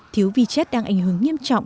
thiếu vi chất đang ảnh hưởng nghiêm trọng